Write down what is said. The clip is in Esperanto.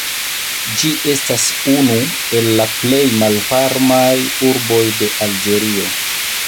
Ĝi estas unu el plej malvarmaj urboj de Alĝerio.